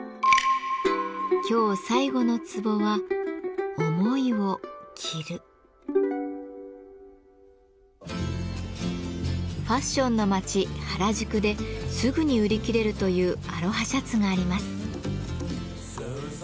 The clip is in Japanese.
今日最後の壺はファッションの街・原宿ですぐに売り切れるというアロハシャツがあります。